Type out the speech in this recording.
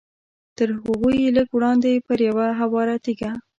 تر هغوی لږ وړاندې پر یوه هواره تیږه.